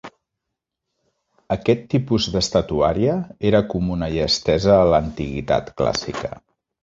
Aquest tipus d'estatuària era comuna i estesa a l'antiguitat clàssica.